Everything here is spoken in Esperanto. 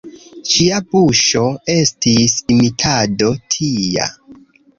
Ĝia buŝo estis imitado tia.